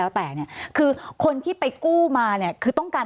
สวัสดีครับทุกคน